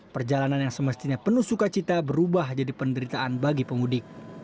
perjalanan yang semestinya penuh sukacita berubah jadi penderitaan bagi pemudik